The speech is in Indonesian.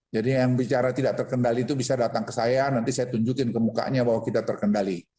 jadi yang bicara tidak terkendali itu bisa datang ke saya nanti saya tunjukin ke mukanya bahwa kita terkendali